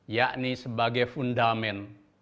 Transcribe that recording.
yakni sebagai fundament